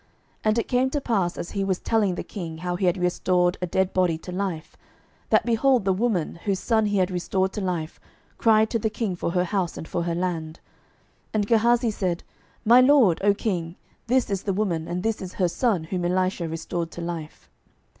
12:008:005 And it came to pass, as he was telling the king how he had restored a dead body to life, that, behold, the woman, whose son he had restored to life, cried to the king for her house and for her land. And Gehazi said, My lord, O king, this is the woman, and this is her son, whom Elisha restored to life.